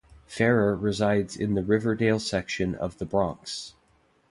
Ferrer resides in the Riverdale section of the Bronx.